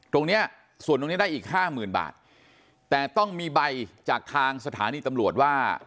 ตรงเนี้ยส่วนตรงนี้ได้อีกห้าหมื่นบาทแต่ต้องมีใบจากทางสถานีตำรวจว่า